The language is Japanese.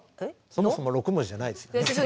そもそも６文字じゃないです。